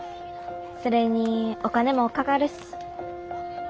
それにお金もかかるし。